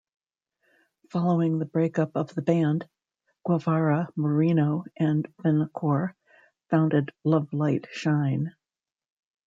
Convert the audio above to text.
Following the breakup of the band, Guevara, Murino, and Vanacore founded Lovelight Shine.